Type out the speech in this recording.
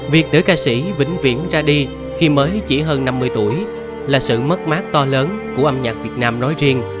việc nữ ca sĩ vĩnh viễn ra đi khi mới chỉ hơn năm mươi tuổi là sự mất mát to lớn của âm nhạc việt nam nói riêng